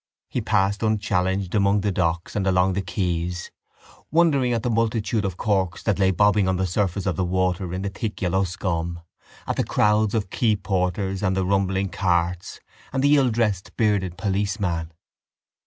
He passed unchallenged among the docks and along the quays wondering at the multitude of corks that lay bobbing on the surface of the water in a thick yellow scum, at the crowds of quay porters and the rumbling carts and the illdressed bearded policeman.